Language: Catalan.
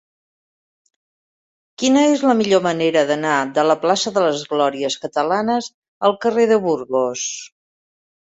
Quina és la millor manera d'anar de la plaça de les Glòries Catalanes al carrer de Burgos?